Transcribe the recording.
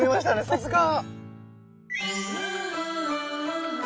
さすが！